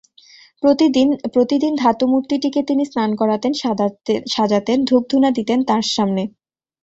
প্রতিদিন ধাতুমূর্তিটিকে তিনি স্নান করাতেন, সাজাতেন, ধূপধুনা দিতেন তাঁর সামনে।